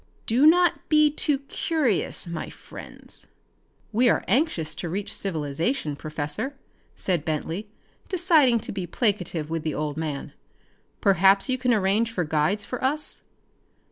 Do not be too curious, my friends." "We are anxious to reach civilization, Professor," said Bentley, deciding to be placative with the old man. "Perhaps you can arrange for guides for us?"